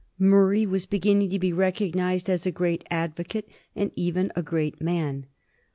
Murray was beginning to be recognized as a great advocate, and even a great man.